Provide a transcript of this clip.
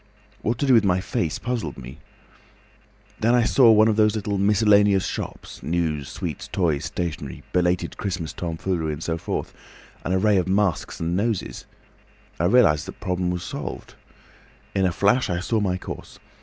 What to do with my face puzzled me. Then I saw in one of those little miscellaneous shops—news, sweets, toys, stationery, belated Christmas tomfoolery, and so forth—an array of masks and noses. I realised that problem was solved. In a flash I saw my course.